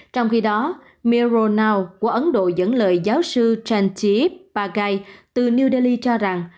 trong khi đó miro nau của ấn độ dẫn lời giáo sư chantip bagai từ new delhi cho rằng